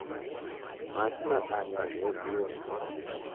Machi nadanywa ghegua